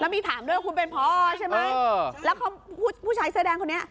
มีถามด้วยว่าคุณเป็นพอใช่ไหมแล้วผู้ชายเสื้อแดงคนนี้